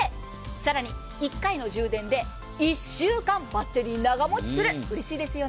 更に１回の充電で１週間バッテリー長もちする、うれしいですね。